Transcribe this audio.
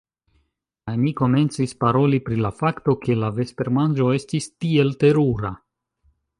Kaj mi komencis paroli pri la fakto, ke la vespermanĝo estis tiel terura.